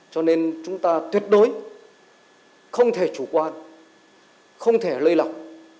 cho nên chúng ta tuyệt đối không thể chủ quan không thể lây lọc